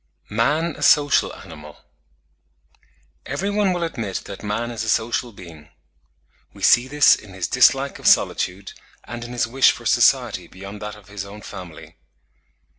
MAN A SOCIAL ANIMAL. Every one will admit that man is a social being. We see this in his dislike of solitude, and in his wish for society beyond that of his own family.